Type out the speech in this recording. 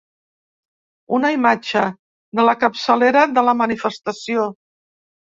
Una imatge de la capçalera de la manifestació.